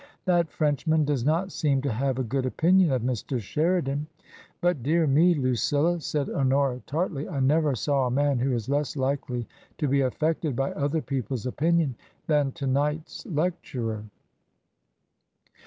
"That Frenchman does not seem to have a good opinion of Mr. Sheridan. But, dear me, Lucilla !" said Honora, tartly, " I never saw a man who is less likely to be affected by other people's opinion than to night's lecturer."